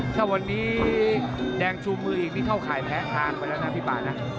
ถ้าวันนี้แดงชูมืออีกนี่เข้าข่ายแพ้ทางไปแล้วนะพี่ป่านะ